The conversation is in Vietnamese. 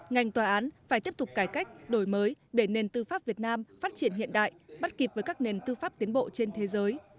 ngành tòa án phải tiếp tục cải cách đổi mới để nền tư pháp việt nam phát triển hiện đại bắt kịp với các nền tư pháp tiến bộ trên thế giới